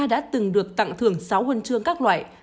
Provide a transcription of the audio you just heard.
đã từng được tặng thưởng sáu huân chương các loại